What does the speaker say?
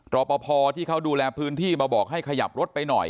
รอปภที่เขาดูแลพื้นที่มาบอกให้ขยับรถไปหน่อย